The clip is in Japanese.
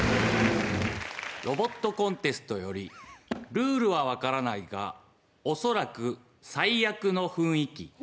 ロボットコンテストよりルールは分からないがおそらく最悪の雰囲気。